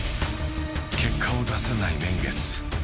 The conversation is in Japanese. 結果を出せない年月。